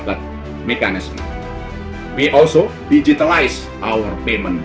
kami juga menginjilkan sistem uang